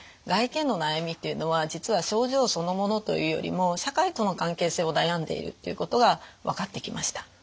外見の悩みっていうのは実は症状そのものというよりも社会との関係性を悩んでいるっていうことが分かってきました。